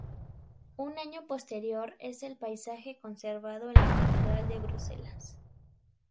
Un año posterior es el paisaje conservado en la catedral de Bruselas.